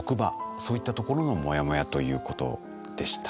そういったところのモヤモヤということでした。